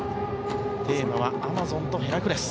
テーマはアマゾンとヘラクレス。